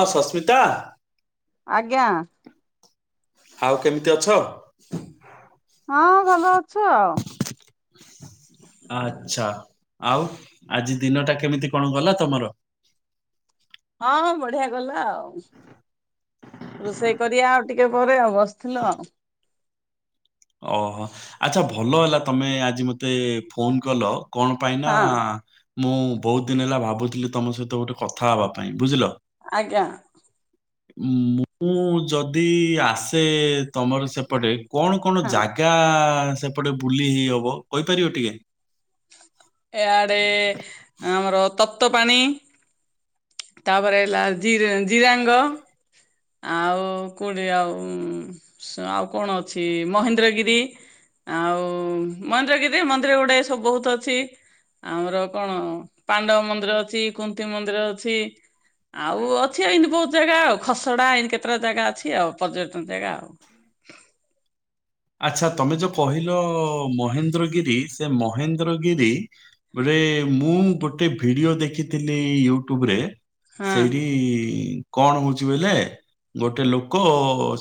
ଆ ସସ୍ମିତା। ଆଜ୍ଞା। ଆଉ କେମ୍ ତି ଅଛ? ହଁ ଭଲ ଅଛୁ ଆଉ। ଆଛା ଆଉ ଆଜି ଦିନଟା କେମିତି କଣ ଗଲା ତମର? ହଁ ହଁ ବଢିଆ ଗଲା ଆଉ ରୋଷେଇ କରିଆ ଆଉ ଟିକେ ପରେ ଆଉ ବସ୍ ଥିଲ? ଅ ହ ଆଚ୍ଛା ଭଲ ହେଲା ତମେ ଆଜି ମୋତେ ଫୋନ କଲ କଣ? ପାଇଁ ନା ହଁ ମୁଁ ବହୁତ ଦିନ ହେଲା ଭାବୁଥିଲି ତମ ସହିତ ଗୋଟେ କଥା ହବା ପାଇଁ ବୁଝିଲ। ଆଜ୍ଞା। ଉଁ ମୁଁ ଯଦି ଆସେ ତମର ସେପଟେ କଣ କଣ ହଁ। ଜାଗା ସେପଡେ ବୁଲି ହେଇ ହବ କହିପାରିବ ଟିକେ? ଏଆଡ଼େ ଆମର ତପ୍ତ ପାଣି। ତାପରେ ହେଲା ଜି ରେ ଜିରାଙ୍ଗ। ଆଉ କୋଠି ଆଉ ସ ଆଉ କଣ ଅଛି ମହେନ୍ଦ୍ରଗିରି। ଆଉ ମନ୍ଦିନ୍ଦ୍ରଗିରିରେ ମନ୍ଦିର ଗୁଡାଏ ସବୁ ବହୁତ ଅଛି। ଆମର କଣ ପାଣ୍ଡବ ମନ୍ଦିର ଅଛି କୁନ୍ତି ମନ୍ଦିର ଅଛି। ଆଉ ଅଛି ଏଇନି ବହୁତ ଜାଗା ଆଉ ଖସଡା ଏଇନି କେତେଟା ଜାଗା ଅଛି ଆଉ ପର୍ଯ୍ୟଟନ ଜାଗା ଆଉ। ଆଚ୍ଛା ତମେ ଯୋଉ କହିଲ ମହେନ୍ଦ୍ରଗିରି ସେ ମହେନ୍ଦ୍ରଗିରି ଗୋଡେ ମୁଁ ଗୋଟେ ଭିଡିଓ ଦେଖିଥିଲି ୟୁଟ୍ୟୁବରେ। ହଁ ସେଇଡି। କଣ ହଉଛି ବୋଇଲେ ଗୋଟେ ଲୋକ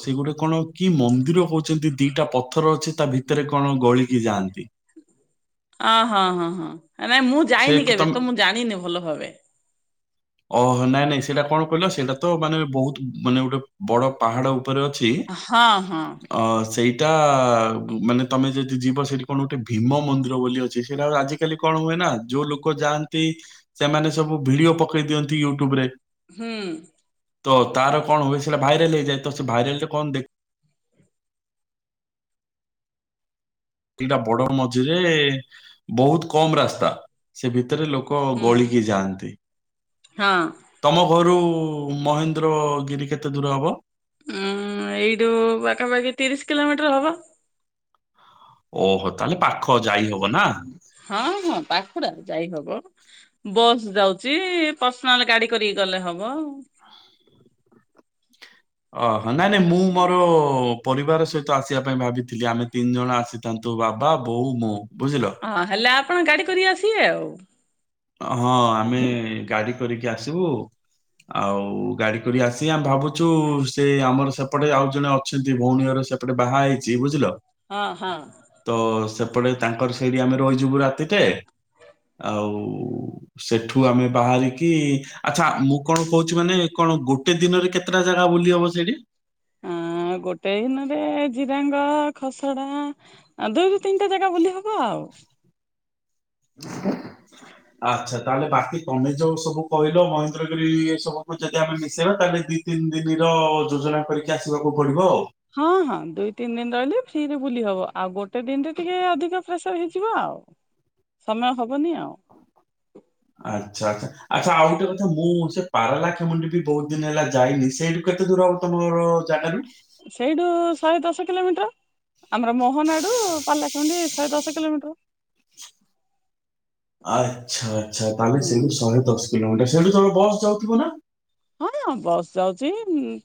ସେ ଗୋଟେ କଣ କି ମନ୍ଦିର କହୁଛନ୍ତି? ତିଟା ପଥର ଅଛି ତା ଭିତରେ କଣ ଗଳିକି ଯାଆନ୍ତି। ଅ ହଁ ହଁ ହଁ ନାଇଁ ମୁଁ ସେ ଯାଇନି କେବେ ତମେ ତ ମୁଁ ଜାଣିନି ଭଲ ଭାବେ। ଅ ହ ନାଇଁ ନାଇଁ ସେଇଡା କଣ କହିଲ ସେଇଡା ତ ମାନେ ବହୁତ ମାନେ ଗୋଟେ ବଡ ପାହାଡ ଉପରେ ଅଛି। ହଁ ହଁ। ଅ ସେଇଟା ମାନେ ତମେ ଯଦି ଯିବ ସେଇଠି କଣ ଗୋଟେ ଭୀମ ମନ୍ଦିର ବୋଲି ଅଛି ସେଇଡା ଗୋଡ଼େ ଆଜି କାଲି କଣ ହୁଏ ନା ଯୋଉ ଲୋକ ଯାଆନ୍ତି ସେମାନେ ସବୁ ଭିଡିଓ ପକେଇ ଦିଅନ୍ତି ୟୁଟ୍ୟୁବରେ। ହୁଁ। ତ ତାର କଣ ହୁଏ ସେଇଡା ଭାଇରାଲ ହେଇଯଏ ତ ସେ ଭାଇରାଲ ରେ କଣ ଦେଖ୍ ତିଟା ବଡ ମଝିରେ ବହୁତ କମ ରାସ୍ତା ସେ ଭିତରେ ଲୋକ୍ କ ହୁଁ ଗଳିକି ଯାଆନ୍ତି। ହଁ ତମ ଘରୁ ମହେନ୍ଦ୍ରଗିରି କେତେ ଦୂର ହବ? ଉଁ ଏହଡୁ ପାଖାପାଖି ତିରିଶ କିଲୋମିଟର ହବ। ଓହୋ ତାହେଲେ ପାଖ ଯାଇ ହବ ନା। ହଁ ହଁ ପାଖୁଡା ଯାଇ ହବ। ବସ୍ ଯାଉଛି ପର୍ସନାଲ ଗାଡ଼ି କରିକି ଗଲେ ହବ। ଅହ ନାଇଁ ନାଇଁ ମୁଁ ମୋର ପରିବାର ସେ ତ ଆସିବା ପାଇଁ ଭାବିଥିଲି ଆମେ ତିନି ଜଣ ଆସିଥାନ୍ତୁ ବାବା ବୋଉ ମୁଁ ବୁଝିଲ। ହଁ ହେଲେ ଆପଣ ଗାଡ଼ି କରିକି ଆସିବେ ଆଉ। ହଁ ଆମେ ଗାଡ଼ି କରିକି ଆସିବୁ ଆଉ ଗାଡ଼ି କରି ଆସି ଆମେ ଭାବୁ ଛୁ ସେ ଆମର ସେପଟେ ଆଉ ଜଣେ ଅଛନ୍ତି ଭଉଣୀ ଘର ସେପଟେ ବାହା ହେଇଛି ବୁଝିଲ। ହଁ ହଁ ତ ସେପଟେ ତାଙ୍କର ସେଇଠି ଆମେ ରହିଯିବୁ ରାତିଟେ ଆଉ ସେଠୁ ଆମେ ବାହାରିକି ଆଚ୍ଛା ମୁଁ କଣ କହୁଛି ମାନେ କଣ ଗୋଟେ ଦିନରେ କେ କେତଟା ଜାଗା ବୁଲି ହବ ସେଠି? ଆଁ ଗୋଟେ ଦିନରେ ଜିରାଙ୍ଗ, ଖସଡା ଆ ଦୁଇରୁୁ ତିନିଟା ଜାଗା ବୁଲି ହବ ଆଉ। [inaudible] ଆଚ୍ଛା ତାହେଲେ ବାକି ତମେ ଯୋଉ ସବୁ କହିଲ ମହେନ୍ଦ୍ରଗିରି ସବୁକୁ ଯଦି ଆମେ ମିଶେଇବା ତାହେଲେ ଦି ତିନି ଦିନି ର ଯୋଜନା କରିକି ଆସିବାକୁ ପଡ଼ିବ ଆଉ। ହଁ ହଁ ଦୁଇ ତିନି ଦିନ ରହିଲେ ଫ୍ରିରେ ବୁଲି ହବ ଆଉ ଗୋଟେ ଦିନରେ ଟିକେ ଅଧିକ ପ୍ରେସର ହେଇଯିବ ଆଉ। ସମୟ ହବନି ଆଉ। ଆଚ୍ଛା ଆଚ୍ଛା, ଆଚ୍ଛା ଆଉ ଗୋଟେ କଥା ମୁଁ ସେ ପାରଲାଖେମୁଣ୍ଡି ବି ବହୁତ ଦିନ ହେଲା ଯାଇନି, ସେଇଠୁ କେତେ ଦୂର ହବ ତମର ଜାଗାରୁୁ? ସେଇଠୁ ଶହେ ଦଶ କିଲୋମିଟର। ଆମର ମୋହନାଡୁ ପାରଲାଖେମୁଣ୍ଡି ଶହେ ଦଶ କିଲୋମିଟର। ଆଚ୍ଛା ଆଚ୍ଛା ତାହେଲେ ହୁଁ ସେଇଠୁ ଶହେ ଦଶ କିଲୋମିଟର ସେଇଠୁ ତମର ବସ୍ ଯାଉଥିବ ନା? ହଁ ବସ୍ ଯାଉଛି।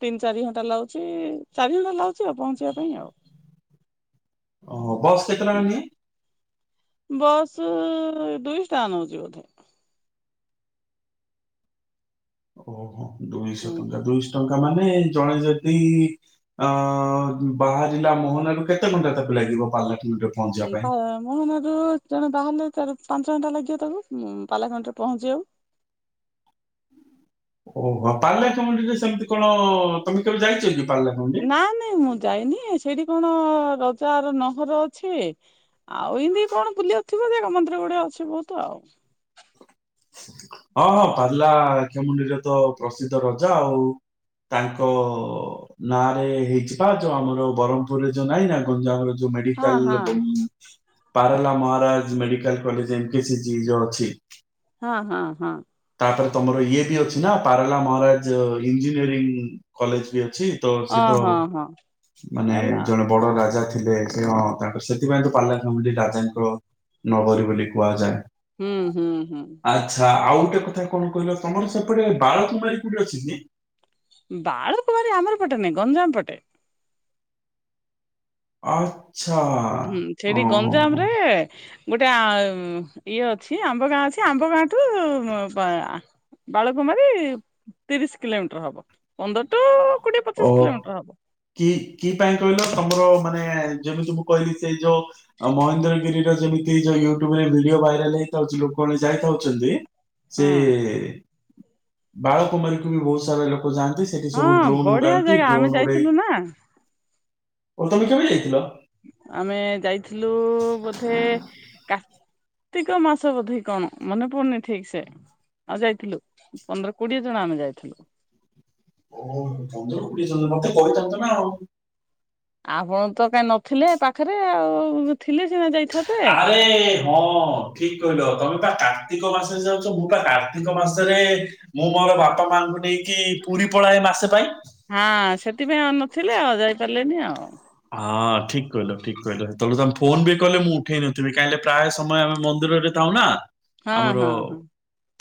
ତିନି ଚାରି ଘଣ୍ଟା ଲାଗୁଛି ଚାରି ଘଣ୍ଟା ଲାଗୁଛି ଆଉ ପହଞ୍ଚିବା ପାଇଁ ଆଉ। ଓ ବସ୍ କେତେ ଟଙ୍କା ନିଏ? ବସ୍ ଦୁଇଶ୍ ଟଙ୍କା ନୋଉଛି ବୋଧେ। ଓହୋ ଦୁଇଶହ ଟଙ୍କା ଦୁଇଶ ଟଙ୍କା ମାନେ ଜଣେ ଯଦି ଅ ବାହାରିଲା ମୋହନା ରୁ କେତେ ଘଣ୍ଟା ତାକୁ ଲାଗିବ ପାରଳାଖେମୁଣ୍ଡିରେ ପହଞ୍ଚିବା ଉଁ ପାଇଁ ପା ମହନାରୁ ଜଣେ ବାହାରିଲେ ଚାରି- ପାଞ୍ଚ ଘଣ୍ଟା ଲାଗିବ ତାକୁ ପାରଲାଖେମୁଣ୍ଡିରେ ପହଞ୍ଚିବାକୁ। ଓହୋ ପାରଲାଖେମୁଣ୍ଡିରେ ସେମିତି କଣ ତମେ କେବେ ଯାଇଚ କି? ପାଲା କେମୁଣ୍ଡି? ନା ନାଇଁ ମୁଁ ଯାଇନି ସେଇଠି କଣ ରଜାର ନହର ଅଛି ଆଉ ଇମିତି କଣ ବୁଲିିବାକୁଥିବ ଜାଗା ମନ୍ଦିର ଗୁଡ଼େ ଅଛି ବହୁତ ଆଉ। ହଁ, ହଁ ପାରଳାଖେମୁଣ୍ଡିରେ ତ ପ୍ରସିଦ୍ଧ ରଜା ଆଉ। ତାଙ୍କ ନାଁରେ ହେଇଚି ପା, ଯୋଉ ଆମର ବ୍ରହ୍ମପୁରରେ ଯୋଉ ନାଇଁ ନା [unintelligible] ଯୋଉ ହଁ ମେଡିକାଲ୍ ହଁ Parala Maharaja medical college M P C G ଯୋ ଅଛି। ହଁ, ହଁ, ହଁ। ତାପରେ ତମର ଇଏ ବି ଅଛି ନା ପାରଲା ମହାରାଜ୍ ଇଞ୍ଜିନିୟରିଂ କଲେଜ ବି ଅଛି? ତ ଓ ସିଧ, ହଁ ହଁ ମାନେ ହେଲା। ଜଣେ ବଡ଼ ରାଜା ଥିଲେ ସେ କଣ ତାଙ୍କ ସେଥିପାଇଁ ତ ପାରଳାଖେମୁଣ୍ଡି ରାଜାଙ୍କର ନଗରୀ ବୋଲି କୁହାଯାଏ। ହୁଁ ହୁଁ ହୁଁ। ଆଚ୍ଛା ଆଉ ଗୋଟେ କଥା କଣ କହିଲ, ତମର ସେପଟେ ବାଳ କୁମାରୀ କୁଡି ଅଛିକି? ବାଳକୁୁମାରୀ ଆମର ପଟେ ନାଇଁ, ଗଞ୍ଜାମ ପଟେ। ଆଚ୍ଛା। ହୁଁ ସେଇଠି ଓହୋ ଗଞ୍ଜାମ ହୋ ରେ ଗୋଟେ ଇଏ ଅଛି ଆମ୍ବ ଗାଁ ଅଛି। ଆମ୍ବ ଗାଁଠୁ ପା ବାଳକୁମାରୀ ତିରିଶି କିଲୋମିଟର ହବ ପନ୍ଦର ଟୁ କୋଡିଏ ଓ ପଚିଶ କିଲୋମିଟର ହବ। କି କି ପାଇଁ କହିଲ ତମର ମାନେ ଯେମିତି ମୁଁ କହିଲି ସେଇ ଯୋଉ ମହେନ୍ଦ୍ରଗିରି ର ଯେମିତି ଯୋଉ ୟୁଟୁବ ରେ ଭିଡିଓ ଭାଇରାଲ ହେଇଥାଉଚି ଲୋକମାନେ ଯାଇପାରୁଚନ୍ତି। ସେ ହଁ ବାଳକୁମାରୀକୁୁ ବି ବହୁତ ସାରା ଲୋକ ଯାଆନ୍ତି। ସେଠି ସବୁ ହଁ ଡ୍ରୋନ୍ ବଢିଆ ଉଡାନ୍ତି ଜାଗା ଆମେ ଡ୍ରୋନ୍ ଉଡେ ଯାଇଥିଲୁ ନା କଟକ କେବେ ଯାଇଥିଲ? ଆମେ ଯାଇଥିଲୁ ବୋଧେ କାର୍ତିକ ମାସ ବୋଧେ କଣ ମନେ ପଡୁନି ଠିକ୍ ସେ। ଆଉ ଯାଇଥିଲୁ ପନ୍ଦର କୋଡିଏ ଜଣ ଆମେ ଯାଇଥିଲୁ। ଓହୋ ପନ୍ଦର କୋଡିଏ ଜଣ ମତେ କହିଥାନ୍ତ ନା ଆଉ। ଆପଣ ତ କାଇଁ ନଥିଲେ ପାଖରେ ଆଉ ଥିଲେ ସିନା ଯାଇଥାନ୍ତ। ଆରେ ହଁ ଠିକ୍ କହିଲ ତମେ ବା କାର୍ତ୍ତିକ ମାସରେ ଯାଉଚ, ମୁଁ ବା କାର୍ତ୍ତିକ ମାସରେ ମୁଁ ମୋର ବାପା ମାଙ୍କୁ ନେଇକି ପୁରୀ ପଳାଏ ମାସେ ପାଇଁ। ହଁ ସେଥିପାଇଁ ଆଉ ନଥିଲେ ଯାଇପାରିଲେନି ଆଉ। ହଁ ଠିକ୍ କହିଲ, ଠିକ୍ କହିଲ, ତମେ ଫୋନ ବି କଲେ ମୁଁ ଉଠେଇ ନଥିଲି, କାହିଁ ନା ପ୍ରାୟ ସମୟ ଆମେ ମନ୍ଦିରରେ ଥାଉ ନା ହଁ ଆମର ହଁ ହଁ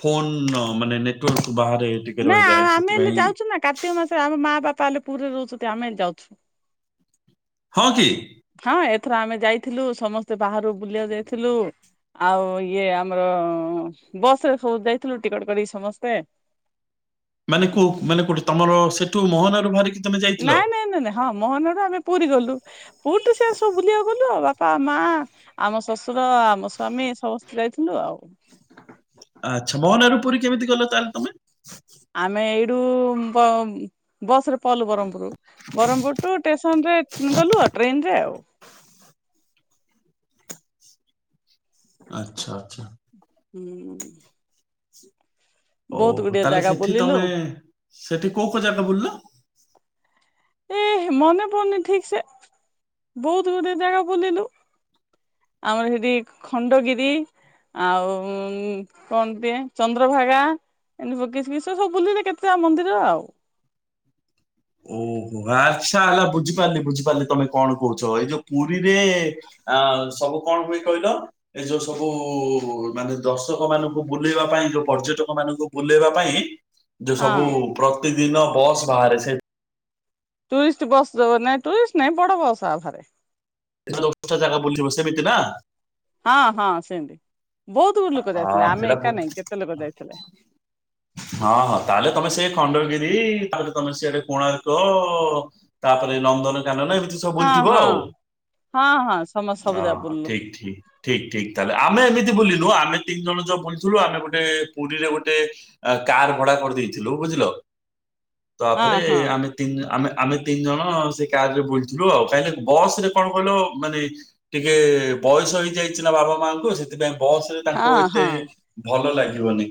ଫୋନ ମାନେ ନେଟ୍ ଔର୍ ବାହାରେ ଟିକେ ନା ରହିଯାଏ ଆମେ ହେଲେ ସେଥିପାଇଁ ଯାଉଚୁ ନା କାର୍ତିକ ମାସରେ ଆମ ମା ବାପା ହେଲେ ପୁରୀରେ ରହୁଚନ୍ତି ଆମେ ହେଲେ ଯାଉଚୁ। ହଁ କି? ହଁ ଏଥର ଆମେ ଯାଇଥିଲୁ ସମସ୍ତେ ବାହାରୁ ବୁଲିଆକୁ ଯାଇଥିଲୁ। ଆଉ ଇଏ ଆମର ବସ୍ ରେ ସବୁ ଯାଇଥିଲୁ ଟିକେଟ୍ କରିକି ସମସ୍ତେ। ମାନେ କୋଉ ମାନେ କୋଉଠି ତମର ସେଠୁ ମୋହନାରୁ ଧରିକି ନାଇଁ, ନାଇଁ ନା, ନା। ହଁ ମୋହନ ରୁ ଆମେ ପୁରୀ ଗଲୁ ପୁରୀରେ ସେ ସବୁ ବୁଲିଆକୁ ଗଲୁ ଆଉ ବାପା ମା ଆମ ଶଶୁ ର ଆମ ସ୍ୱାମି ସମସ୍ତେ ଯାଇଥିଲୁ ଆଉ। ଆଚ୍ଛା ମୋହନାରୁ ପୁରୀ କେମିତି ଗଲ ତାହାଲେ ତମେ? ଆମେ ଏଇଟୁ ବ ବସ୍ ରେ ପଲ୍ ବ୍ରହ୍ମପୁର ବ୍ରହ୍ମପୁର ଟୁ ଷ୍ଟେସନ ରେ ଗଲୁ ଆଉ ଟ୍ରେନ୍ ରେ ଆଉ। ଆଛା ଆଚ୍ଛା। ହୁଁ। ବହୁତ ଓହୋ ଗୁଡିଏ ତାହେଲେ ଜାଗା ସେଠି ବୁଲିଲୁ ତମେ ସେଠି କୋଉ କୋଉ ଜାଗା ବୁଲିଲ? ଏ ମନେ ପଡୁନି ଠିକ୍ ସେ ବହୁତ ଗୁଡେ ଜାଗା ବୁଲିଲୁ। ଆମର ସେଠି ଖଣ୍ଡଗିରି ଆଉ କଣ ଟିଏ ଚନ୍ଦ୍ରଭାଗା। ଏ ବଗେଶ [unintelligible] ବି ସବୁ ବୁଲିଲେ କେତେ ମନ୍ଦିର ଆଉ ଓହୋ ଆଚ୍ଛା ହେଲା ବୁଝିପାରିଲି ବୁଝିପାରିଲି ତମେ କଣ କହୁଛ ଏଇ ଯୋଉ ପୁରୀରେ ଆ ସବୁ କଣ ହୁଏ କହିଲ ଏଇ ଯୋଉ ସବୁ ମାନେ ଦର୍ଶକ ମାନଙ୍କୁ ବୁଲେଇବା ପାଇଁ ଯୋଉ ପର୍ଯ୍ୟଟକ ମାନଙ୍କୁ ବୁଲେଇବା ପାଇଁ ଯୋଉ ସବୁ ହଁ ପ୍ରତିଦିନ ବସ୍ ବାହାରେ ସେ ଟୁରିଷ୍ଟ ବସ୍ ଯୋଉ ନାଇ ଟୁରିଷ୍ଟ ନାଇଁ ବଡ ବସ ଆରେ। [unintelligible] ସେମିତି ନା। ହଁ ହଁ ସେମତି ବହୁତ ଗୁରା ଲୋକ ହଁ ଯାଇଥିଲେ ଆମେ ସେଇଟା ଏକା ବୁ- ନାହିଁ କେତେ ଲୋକ ଯାଇଥିଲେ। ହଁ ହଁ ତାହେଲେ ତମେ ସେ ଖଣ୍ଡଗିରି ତାପ ତମେ ସେଆଡେ କୋଣାର୍କ ତାପରେ ଲନ୍ଦନ ଯାନନା ଏମିତି ସବୁ ହଁ ବୁଲଥିବ ହଁ ଆଉ ହଁ ହଁ ସମସ୍ତେ ସବୁ ଯାକ ହଁ ବୁଲିଲୁ ଠିକ୍ ଠିକ୍। ଠିକ ଠିକ ତାହେଲେ ଆମେ ଏମିତି ବୁଲିନୁ ଆମେ ତିନି ଜଣ ଯୋଉ ବୁଲିଥିଲୁ ଆମେ ଗୋଟେ ପୁରୀରେ ଗୋଟେ କାର ଭଡା କରିଦେଇଥିଲୁ ବୁଝିଲ ହଁ ତାପରେ ହଁ ଆମେ ତି ଆମେ ଆମେ ତିନି ଜଣ ସେ କାରରେ ବୁଲଥିଲୁ ଆଉ କାଇଁ ନା ବସ ରେ କଣ କହିଲ ମାନେ ଟିକେ ବୟସ ହେଇ ଯାଇଛି ନା ବାପା ମାଙ୍କୁ ସେଥିପାଇଁ ବସରେ ତାଙ୍କୁ ହଁ ଏତେ ହଁ ଭଲ ଲାଗିବନି।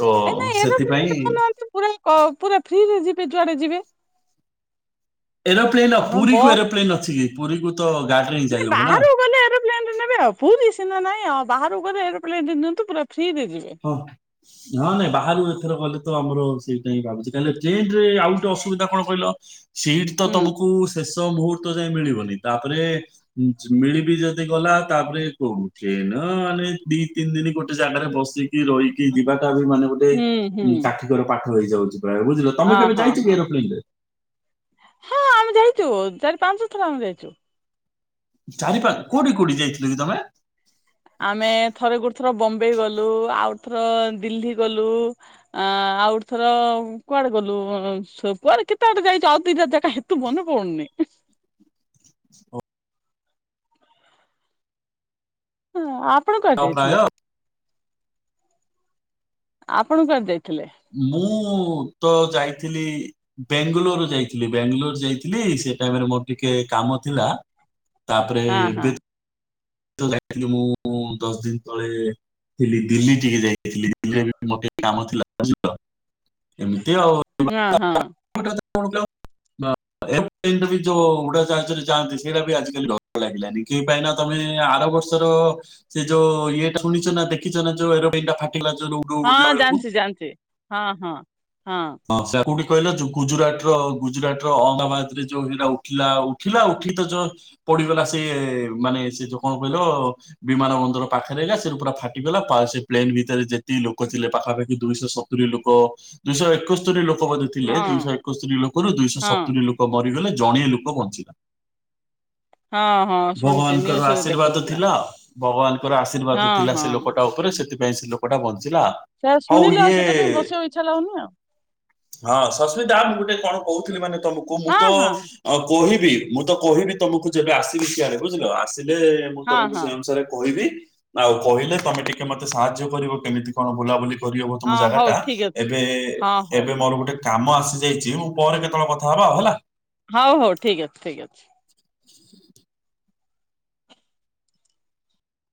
ତ ଏ ନାଇଁ ଏରୋପ୍ଲେନ ସେଥିପାଇଁ କରୁନାହାନ୍ତି ପୁରା କ ପୁରା ଫ୍ରିରେ ଯିବେ ଯୁଆଡେ ଯିବେ। ଏରୋପ୍ଲେନ ଆପଣ ପୁରୀକୁ ବସ୍ ଏରୋପ୍ଲେନ୍ ଅଛି କି ପୁରୀକୁ ତ ଗାଡିରେ ହିଁ ଯାଇହବ ନା। ଏରୋପ୍ଲେନ ନେବେ ଆ ପୁରୀ ସିନା ନାହିଁ ଆଉ ବାହାରକୁ ଗଲେ ଏରୋପ୍ଲେନ ନିଅନ୍ତୁ ପୁରା ଫ୍ରିରେ ଯିବେ ହଁ। ନହେଲେ ବାହାରୁ ଏଥର ଗଲେ ତ ଆମର ସେଇଟା ହିଁ ଭାବୁଛି କାଁକି ଟ୍ରେନ ରେ ଆଉ ଗଟେ ଅସୁବିଧା କଣ କହିଲ ସିଟ ତ ହୁଁ ତମକୁ ଶେଷ ମୁହୂର୍ତ୍ତ ଯାଇ ମିଳିବନି ତାପରେ ମିଳିବି ଯଦି ଗଲା ତାପରେ କୋଉ ଟ୍ରେନ ମାନେ ଦି ତିନି ଦିନ ଗୋଟେ ଜାଗାରେ ବସି କି ରହିକି ଯିବାଟା ବି ମାନେ ଗୋଟେ ହୁଁ ହୁଁ କାଠିକର ପାଠ ହେଇଯାଉଛି ପ୍ରାୟ ବୁଝିଲ କି। ତମେ ହଁ କେବେ ହଁ ଯାଇଛ କି ହଁ ଏରୋପ୍ଲେନରେ? ହଁ ଆମେ ଯାଇଛୁ ଚାରି ପାଞ୍ଚ ଥର ଆମେ ଯାଇଛୁ। ଚାରି ପାଚ୍ କୋଉଠି କୋଉଠି ଯାଇଥିଲ କି ତମେ? ଆମେ ଥରେ ଗୋଟେ ଥର ବମ୍ବେ ଗଲୁ ଆଉ ଥର ଦିଲ୍ଲୀ ଗଲୁ ଆଁ ଆଉ ଗୋଟେ ଥର କୁଆଡେ ଗଲୁ କୁଆଡେ କେତେ ବଡେ ଯାଇଛ ଆଉ ଦିଟ ଜାଗା। ତୁ ମନେ ପଡୁନି। ହଁ ଆପଣ କୁଆଡେ ଆଉ ପ୍ରାୟ ଯାଇଥିଲେ? ଆପଣ କୁଆଡେ ଯାଇଥିଲେ? ମୁଁ ତ ଯାଇଥିଲି ବେଙ୍ଗାଲୋର ଯାଇଥିଲି ବାଙ୍ଗାଲୋର ଯାଇଥିଲି ସେ ଟାଇମରେ ମୋର ଟିକେ କାମ ଥିଲା। ତାପରେ ହଁ ହଁ ଏବେ ଯାଇଥିଲି ମୁଁ ଦଶ ଦିନ ତଳେ ଥିଲି ଦିଲ୍ଲୀ ଟିକେ ଯାଇଥିଲି ଦିଲ୍ଲୀରେ ବି ମତେ କାମ ଥିଲା ବଝିର ଏମିତି ଆଉ। ହଁ ହଁ। [unintelligible] ଏ ଯୋଉ ଉଡା ଜାହାଜରେ ଯଆନ୍ତି ସେଇଟା ବି ଆଜିକାଲି ଡର ଲାଗିଲାନି କେ ପାଇଁ ନା ତମେ ଆର ବର୍ଷର ସେ ଯୋଉ ଇଏଟା ଶୁଣିଛ ଦେଖିଛ ଯୋ ଟା ଫାଟିଲା ଯଉ। ହଁ ଜାଣିଛି ଜାଣିଛି ହଁ ହଁ ହଁ। ହଁ ସେ କୋଉଠି କହିଲା ଗୁଜୁରାଟ ର ଗୁଜୁରାଟ ର ଅହମ୍ଦାବାଦ ରେ ଯୋଉ ଏଇଟା ଉଠିଲା ଉଠିଲା ଉଠି ତ ଯ ପଡିଗଲା ସେଏ ମାନେ ସେ ଯୋଉ କଣ କହିଲ ବିମାନ ବନ୍ଦର ପାଖରେ ହେଗଲା ସେଠ ପୁରା ଫାଟିଗଲା ସେ ପ୍ଲେନ ଭିତରେ ଯେତିକି ଲୋକ ଥିଲେ ପାଖାପାଖି ଦୁଇଶହ ସ ତୁରି ଲୋକ ଦୁଇଶହ ଏକସ୍ତୋରି ଲୋକ ବୋଧେ ଥିଲେ ହଁ ଦୁଇଶହ ଏକସ୍ତୋରି ଲୋକରୁ ଦୁଇଶହ ହଁ। ସତୁରୀ ଲୋକ ଲୋକ ମରିଗଲେ ଜଣିଏ ଲୋକ ବଞ୍ଚିଲା। ହଁ ହଁ ଶୁଣିଛି ଭଗବାନଙ୍କର ନ୍ୟୁଜରେ ଆଶୀର୍ବାଦ ଦେଖଉଥିଲା ଥିଲା ଆଉ। ଭଗବାନଙ୍କର ହଁ ଆଶୀର୍ବାଦ ଥିଲା ହଁ ସେ ଲୋକଟା ଉପରେ ସେଥିପାଇଁ ସେ ଲୋକଟା ବଞ୍ଚିଲା ଆଉ। ସେରା ଶୁଣିଲ ଆଉ ସେଥିପାଇଁ ବସିବା କୁ ଇଛା ଲାଗୁନି ଆଉ। ହଁ ସସ୍ମିତା ମୁଁ ଗୋଟେ କଣ କହୁଥିଲି ମାନେ ତମକୁ ମୁଁ ତ ହଁ ଅ କହିବି ମୁଁ ତ କହିବି ତମକୁ ଯେବେ ଆସିବି ସିଆଡେ ବୁଝିଲ ଆସିଲେ ମୁଁ ହଁ ତମକୁ ହଁ ସେଇ ଅନୁସାରେ କହିବି ଆଉ କହିଲେ ତମେ ଟିକେ ମତେ ସାହାଯ୍ୟ କରିବ କେମିତି କଣ ବୁଲାବୁଲି କରିବ ହବ ତମ ହଁ ହଁ ଜାଗା ହଉ ଟା ଠିକ ଅଛି ଏବେ। ହଁ ହଉ ଏବେ ମୋର ଗୋଟେ କାମ ଆସି ଯାଇଛି ମୁଁ ପରେ କେତେବେଳେ କଥା ହବା ଆଉ ହେଲା। ହଉ ହଉ ଠିକ ଅଛି ଠିକ ଅଛି।